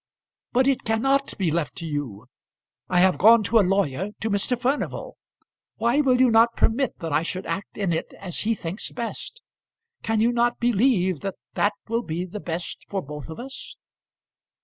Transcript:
"But it cannot be left to you. I have gone to a lawyer, to Mr. Furnival. Why will you not permit that I should act in it as he thinks best? Can you not believe that that will be the best for both of us?"